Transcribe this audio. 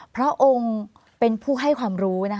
พระองค์เป็นผู้ให้ความรู้